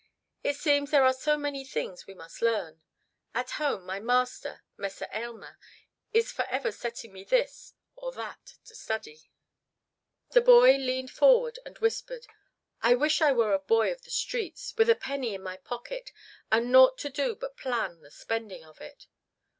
"It seems there are so many things we must learn. At home my master, Messer Aylmer, is forever setting me this or that to study." [Illustration: LADY JANE GREY AND ROGER ASCHAM] The boy leaned forward and whispered, "I wish I were a boy of the streets, with a penny in my pocket and naught to do but plan the spending of it."